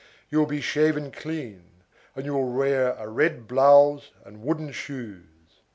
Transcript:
You will be shaven clean, and you will wear a red blouse and wooden shoes.